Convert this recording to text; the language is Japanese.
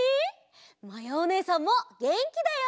まやおねえさんもげんきだよ！